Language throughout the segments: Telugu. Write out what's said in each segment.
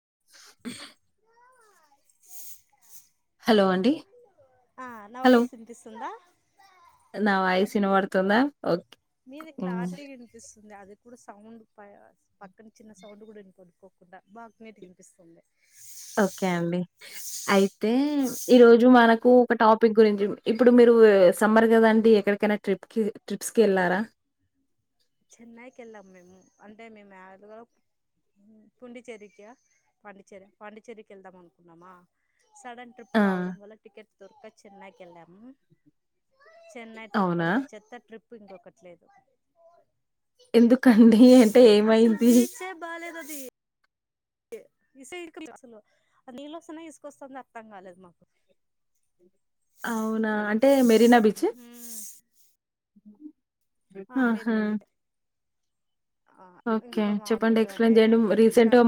అ హలో అండి ఆ నా వాయిస్ విన్పిస్తుందా నా వాయిస్ వినపడుతుంద మీద క్లారిటీగినిపిస్తుంది అది సౌండ్ ప పక్కన చిన్న సౌండ్ కూడా వినపడకోకుండా బాగా నీట్ కనిపిస్తుంది అయితే ఈ రోజు మనకు ఒక టాపిక్ గురించి ఇప్పుడు మీరు సమ్మర్ కదాండి ఎక్కడ కేటాయిన ట్రిప్ కి ట్రిప్స్ కి వెళ్ళారా చెన్నైకి వెళ్ళాం మేము అంటే మేము ఏడ బోమ్ పుండిచ్చేరికా పాండిచ్చేరి పాండిచ్చేరికి వెళ్దాం అనుకున్నామా సడన్ ట్రిప్ కావడం వల్ల టికెట్ దొరక్క చేన్నై కి వెళ్ళాము చెన్నై ట్రిప్ అంత చెత్త ట్రిప్ ఇంకొకటిలేదు ఎందుకండి అంటే ఏమైంది అ ఇసే ఇ అసలు ఆ నీళ్ళ వస్తున్నాయ ఇసుకొస్తుందా అర్థం కాలేదు మాకు అవునా అంటే మెరినా బీచ్ ఆహా ఓకే చెప్పండి ఎక్స్ ప్లైన్ చేయడి మ్ రీసెంట్గా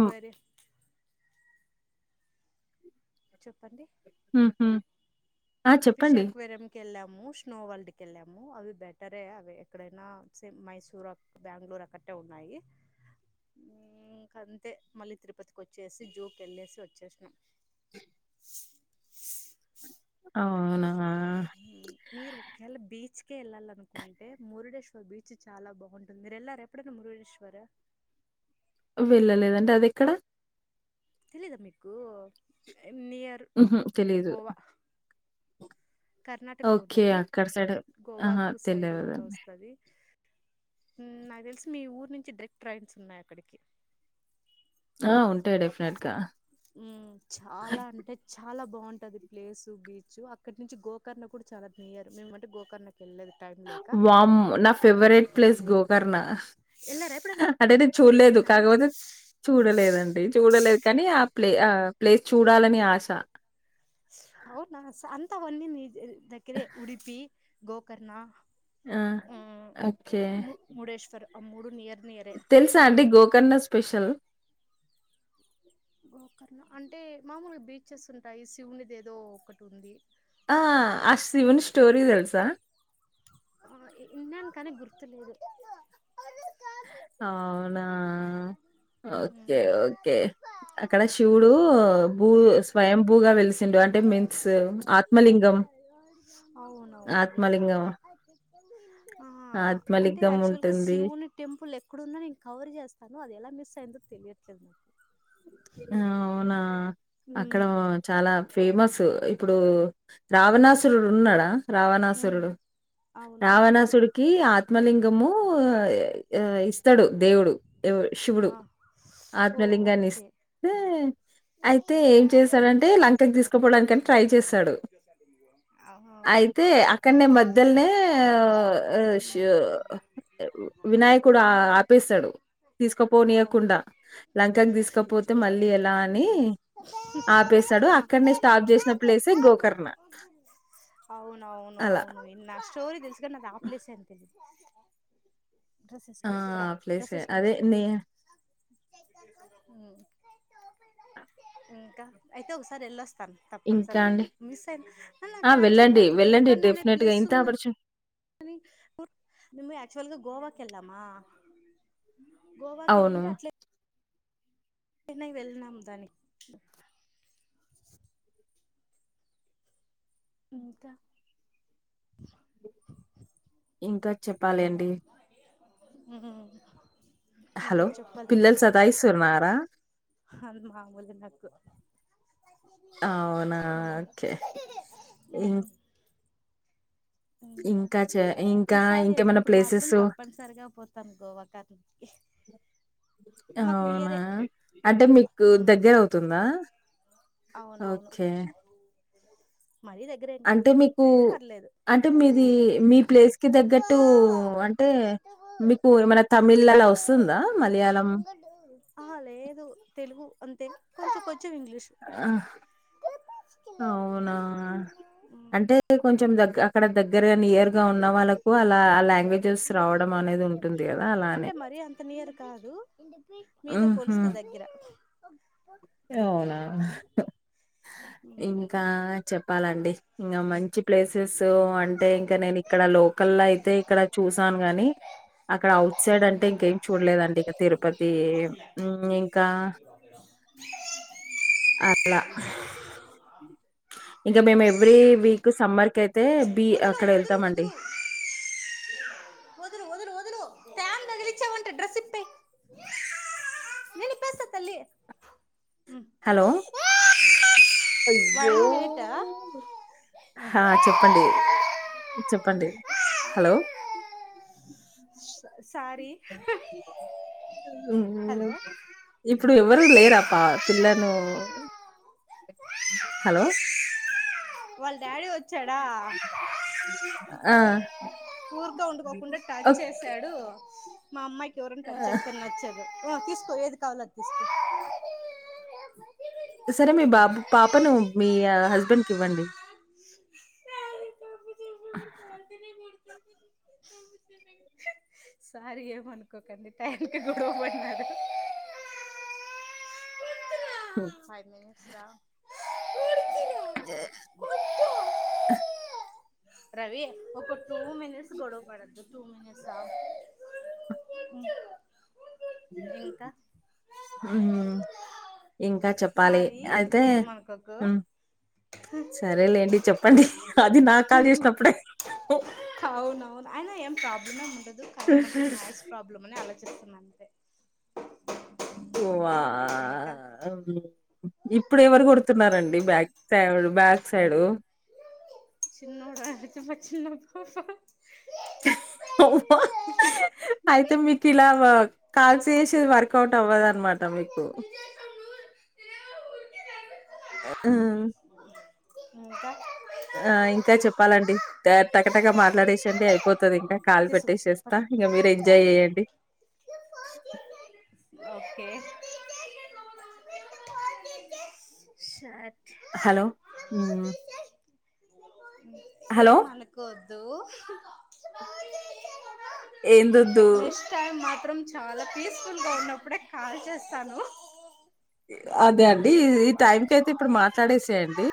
చెప్పండి ఉ ఫిష్ అక్వేరియం కెళ్ళాం స్నో వర్ల్డ్ కు వెళ్ళాము అవి బెటరే అవి ఎక్కడైనా మైసూర్ అక్ బెంగళూరు అక్క డ ఉన్నాయి ఇంకంతే మళ్ళీ తిరుపతికి వచ్చేసి జూకి వెళ్ళేసి వచ్చేసినం [inaudible] అవునా మీరు ఒకేల బీచ్ కే ఎళ్ళాలినుకుంటే మురుడేశ్వర్ బీచ్ చాలా బాగుంటుంది మీరెళ్లార ఎప్పుడన్న మురుడేశ్వరు వెళ్ళలేదంటే అదెక్కడ తెలిదా మీకు నియర్ గోవా కర్ణాటక లో ఉంటది గోవాకు సైడ్ గా వస్తది ఊమ్ నాక్దె తెలిసు మీ ఊరు నుంచి డరెక్ట్ ట్రైన్స్ ఉన్నాయి అక్కడికి ఆ ఉంటాయ్ డెఫ్నెట్ గా ఉ చాలా అంటే చా చాలా బావుంటది ప్లేసు బీచు అక్కడ్న్నుంచి గోకర్ణ కుడా చాలా నియర్ మేమంటే గోకర్ణ వామ్ నా ఫేవరెట్ ప్లేస్ గోకర్ణ అంటే నేన్ చూల్లేదు కాకపోతే చూడలేదండి చూడలేద్ కని ఆ ప్లే ఆ ప్లేస్ చూడాలని ఆశ అవునా స అంతా వన్నీ నీ జె దగ్గిరే ఉడుపి గోకర్ణ ఆ ఒకే ఆ మూడు నియర్ తెల్సా అండి గోకర్ణ స్పెషల్ గోకర్ణ అంటే మామూల్గా బీచెస్ ఉంటాయి శివునిదేదో ఒక్కటుంది ఆ ఆ శివుని స్టోరీ దెల్సా ఆ ఇ ఇన్యాన్ కానీ గుర్తు లేదు అవ్నా ఓకే ఓకే అక్కడ శివుడు భూ స్వయం భూగా వెలిసిండు అంటే మిన్సు ఆత్మలింగం అవునవును విన్నా ఆ అంటే యాక్చువల్ గా శివుని టెంపుల్లెక్కుడున్నా నేన్ కవర్ జేస్తాను అది ఎలా మిస్సైందో తెలియట్లేదు నాకు అవునా అక్కడ చాలా ఫేమస్ తు ఇప్పుడు రావణాసురుడు ఉన్నాడా రావణాసురుడు రావణాసుడికి ఆ ఆత్మలింగము ఆ ఇస్తాడు దేవుడు ఎవ్ శివుడు ఆత్మలింగాన్నిస్తే ఆ ఐతే అక్కన్నే మధ్యల్నే ఆ షి ఆ వినాయకుడు ఆ ఆపేస్తాడు తీసుకుపోనీయకుండా లంకకి తీస్క పోతే మళ్ళీ ఎలా అని ఆపేశాడు అక్కన్నే స్టాప్ జేసిన ప్లేసే గోకర్ణ అవునువును అవును విన్నా స్టోరి దెల్సు గానీ ఆ ప్లేసే అని తెలీదు డ్రస్సేసుకొనొత్తురా డ్రస్సేసుకొనొస్తురా నేయ ఇంకా ఐతే ఒగసారి ఎళ్ళొస్ స్తాన్ తప్పన్ సరిగా మిస్సైన్ కాన్ నాకి యాక్చువల్ గా ఆడ గోకర్న అనే ప్లెస్సుందన్ కని మేము ఆక్చువల్గా గోవాకెల్లామా గోవాకెళ్ళింటే అట్లే ఎన్నైకి వెళ్ళినామ్ దాని ఇంకా ఇంకా చెప్పాలి అండి ఊ హలో పిల్లలు సతాయిస్తున్మారా హాల్ మాముల్ గున్నట్టు ఉమ్ ఉమ్ ఈసారి ఎళ్ళినప్పుడు మాత్రం తప్పనిసరిగా పోతాను గోవా [unintelligible] అవునా, అంటే మీకు దగ్గర అవుతుందా. ఓకే మరీ దగ్గరేం కాదు, పర్లేదు. అంటే మీది, మీ ప్లేస్ కి తగ్గట్టు అంటే మీకు ఏమన్నా తమిళ్ అలా అస్తుందా, మలయాళం. వు అంతే కొెంచెం, కొంచెం ఇంగ్లీష్ అవునా, అంటే కొంచెం దగ్గ అక్కడన్ దగ్గరగా, నియర్ గా ఉన్న వాళ్ళకు అలా ఆ లాంగ్వేజెస్ రావడం అనేది ఉంటుంది కదా, అలా అనే. అంత నియర్ కాదు, మీతో పోలుస్తే దగ్గర. అవునా, ఇంకా చెప్పాలండి. ఇంగా మంచి ప్లేసెస్ అంటే, ఇంకా నేను ఇక్కడ లోకల్ అయితే ఇక్కడ చూసాను గాని, అక్కడ అవ్ సైడ్ అంటే ఇంకేం చూడలేదండి, ఇగా తిరుపతి. ఉమ్ ఇంకా అలా ఇంకా మేము ఎవ్రీ వీక్ సమ్మర్ కైతే బి, అక్కడ ఎళ్తామండి. వోదులు వోదులు హలో [unintelligible] ట హా చెప్పండి, చెప్పండి హలో స్ సారీ హలో ఇప్పుడు ఎవరు లేరా పా, పిల్లను హలో వాళ్ళ డాడీ ఓచ్చాడా ఊరుకో ఉండుకుండుకోకుండా ట్యాగ్ చేసాడు, మా అమ్మాయికి ఎవరన్న టచ్ చేస్తే నచ్చదు. ఆ తీసుకో ఏది కావాలో అది తీస్క్ ఉ సరే మీ బాబు, పాపను మీ హస్బెండ్కి ఇవ్వండి. ఆ సారీ ఏమ్ అనుకోకండి, టైమ్ కి గొడవ పడినాడు. ఫైవ్ మినిట్స్ రా జ రవి ఒక టూ మినిట్స్ గొడవ పడద్దు, టూ మినిట్స్ ఉమ్ ఉహుమ్ ఇంకా చెప్పాలి అయితే, ఉమ్ సరే లెండి చెప్పండి. అది నా కాల్ జేసినప్పుడే అయిన ఏం ప్రాబ్లమ్ ఏం ఉండదు, కానీ ఏమంటే నాయిస్ ప్రాబ్లమ్ అని ఆలో చిస్తున్న అంతే. ఇప్పుడు ఎవరు గొడుతున్నారండి. డి బ్యాక్ సైడ్ వాళ్ళు, బ్యాక్ సైడు చిన్నోడు [unintelligible] మా చిన్న [unintelligible] ఓ అయితే మటీలా మగ కాల్స్ చేసేది వర్కౌట్ అవ్వదాన్నమాట మకు ఇకా ఆ ఇంకా చెప్పాలండి టక టక మాట్లాడేసండి అయిపోతుంది ఇంకా కాలు పెట్టేసేస్తా ఇంకా మీరు ఎంజాయ్ చెయ్యండి ఓకే సత్ హలో ఏం అనుకోద్దు ఎందద్దు మాత్రం చాలా పీస్ఫుల్ గా ఉన్నప్పుడే కాల్ చేస్తాను అదే అండి ఈ టైం కి అయితే ఇప్పుడు మాట్లాడేసేయండి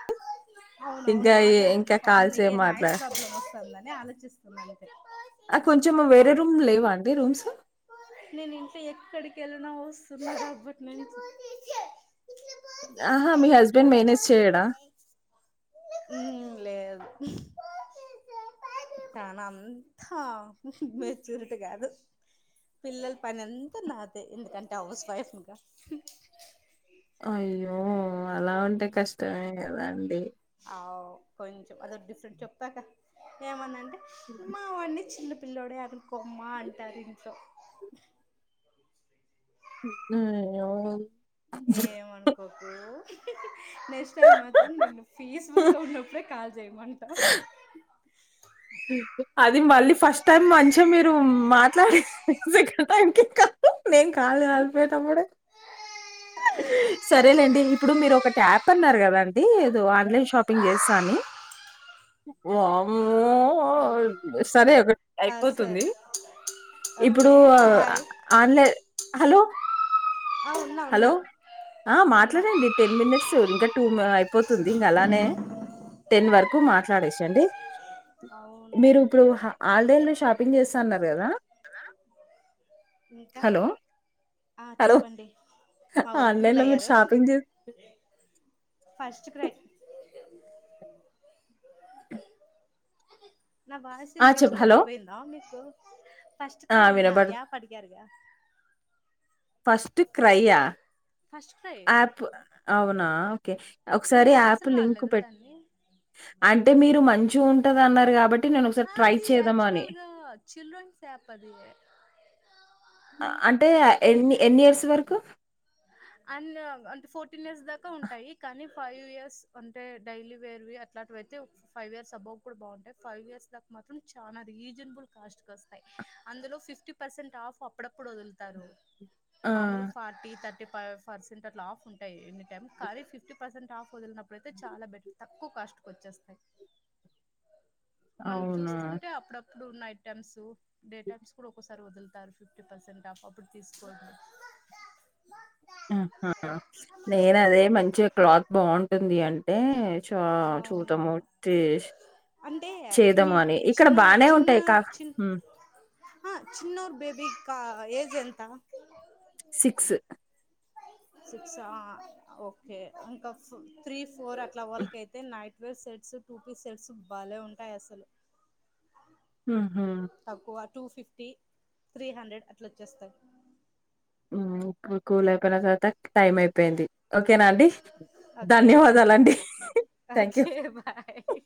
అవున అవును మాట్లాడుతున్నా పాపం మీకేనా నాయిస్ ప్రాబ్లమ్ వస్తుందని ఆలోచిస్తున్నాను ఆ కొంచెం వేరే రూమ్ లేవా అండి రూమ్స్ నా వస్తున్నాబట్ న ఆహా మీ హస్బెండ్ మేనేజ్ చేయడా లేదు తన అంతా మెచ్యూరిటీ కాదు పిల్లల పనంత నాదే ఎందుకంటే హౌస్ వైఫ్ కదా అయ్యో అలా ఉంటే కష్టమే కదా అండి కొంచెం అదొ డిఫరెంట్ చెప్తాక ఏమందంటే మా వాడిని చిన్న పిల్లోడే ఆడు కొమ్మ అంటారు ఇంట్లో అవు ఏమనుకోకు నెక్స్ట్ టైం మాత్రం నేను పీస్ఫుల్ గా ఉన్నప్పుడే కాల్ చేయమంటా అది మళ్ళీ ఫస్ట్ టైమ్ మంచిగా మీరు మా కానీ సెకండ్ టైం కి కథం నేను కాల్ కలిపేటప్పుడే సరేలేండి ఇప్పుడు మీరు ఒకటి యాప్ అన్నారు కదా అండి ఏదో ఆన్లైన్ షాపింగ్ చేస్తా అని వామ్మో సరే ఒకటి అయిపోతుంది ఇప్పుడు ఆన్లైన్ హలో ఉన్నా ఉన్నా ఆ మాట్లాడండి టెన్ మినిట్స్ ఇంకా టూ అయిపోతుంది ఇంగా అలానే టెన్ వరకు మాట్లాడేసేయండి మీరు ఇప్పుడు ఆన్లైన్లో షాపింగ్ చేస్తా అన్నారు కదా ఇంకా ఆ చెప్పండి మా వొళ్ళు కూల్ అయ్యారు ఫస్ట్ ప్రే నా వాస్ వినిపించుకోకుండా పోయిందా మీకు ఫస్ట్ క్రై అన్నా యాప్ అడిగారుగా ఫస్ట్ క్రైయ యాప్ అవునా ఒకే ఒకసారి యాప్ లింక్ పెట్ అంటే మీరు మంచి ఉంటది అన్నారు కాబట్టి ఆ అది యాక్చువల్ గా చిల్డ్రన్స్ యాప్ అది అంటే ఎన్ని ఎన్ని ఇయర్స్ వరకు అండ్ ఫోర్టీన్ ఇయర్స్ దాకా ఉంటాయి కానీ ఫైవ్ ఇయర్స్ అంటే డైలీ వేర్వి అట్లావి అయితే ఒక ఫైవ్ ఇయర్స్ అబవ్ కూడా బాగుంటాయి ఫైవ్ ఇయర్స్ దాకా మాత్రం చానా రీజనబుల్ కాస్ట్కి వస్తాయి అందులో ఫిఫ్టీ పర్సెంట్ ఆఫ్ అప్పుడప్పుడు వదులుతారు మామూలు ఫార్టీ థర్టీ ఫైవ్ పర్సెంట్ అట్లా ఆఫ్ ఉంటాయి ఎనీ టైమ్ కానీ ఫిఫ్టీ పర్సెంట్ వదిలినప్పుడుయితే చాలా బెటర్ తక్కువ కాస్ట్ కు వచ్చేస్తాయి మనం చూస్తుంటే అప్పుడప్పుడు డు నైట్ టైమ్స్ డే టైమ్స్ కూడా ఒకసారి వదులుతారు ఫిఫ్టీ పర్సెంట్ ఆఫ్ అప్పుడు తీసుకోండి ఆ హ నేను అదే మంచిగ క్లాత్ బాగుంటుంది అంటే చా చూతము చేస్ అంటే మీ చిన్నోర్ చిన్నోర్ చి ఆ చిన్నోర్ బేబి క ఏజ్ ఎంత సిక్స్ సిక్స్ ఆ ఓకే ఇంకా త్రీ ఫోర్ అట్లా వోళ్ళ కయితే night wear sets two pi sets బాలే ఉంటాయి అసలు ఆ హ టూ ఫిఫ్టీ త్రీ హండ్రెడ్ అట్లా వచ్చేస్తాయి ఆ ఇప్పుడు కూల్ అయిపోయిన తర్వాత టైమ్ అయిపోయింది ఓకేనా అండి ధన్యవాదాలండి ఓకే బాయ్